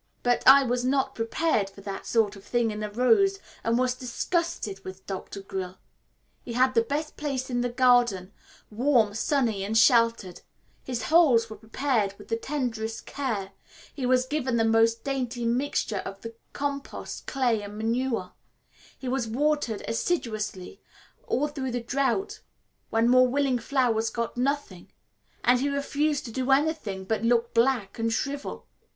But I was not Prepared for that sort of thing in a rose, and was disgusted with Dr. Grill. He had the best place in the garden warm, sunny, and sheltered; his holes were prepared with the tenderest care; he was given the most dainty mixture of compost, clay, and manure; he was watered assiduously all through the drought when more willing flowers got nothing; and he refused to do anything but look black and shrivel.